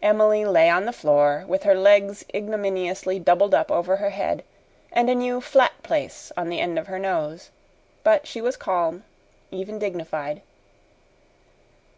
Emily lay on the floor, with her legs ignominiously doubled up over her head, and a new flat place on the end of her nose; but she was calm, even dignified.